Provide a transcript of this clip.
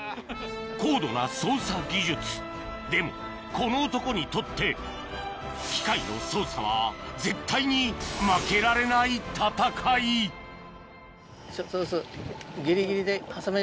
高度な操作技術でもこの男にとって機械の操作は絶対に負けられない戦いちょっとずつ。